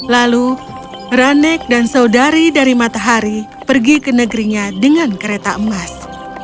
lalu rane dan saudari dari matahari pergi ke negerinya dengan kereta emas